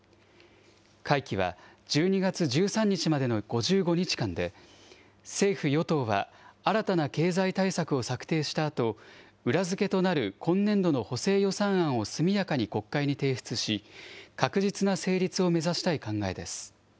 会期は１２月１３日までの５５日間で、政府・与党は新たな経済対策を策定したあと、裏付けとなる今年度の補正予算案を速やかに国会に提出し、確実な成立を目指したい考えです。